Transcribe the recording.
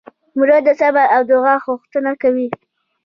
مړه د صبر او دعا غوښتنه کوي